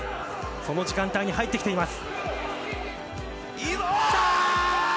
その時間帯に入ってきています。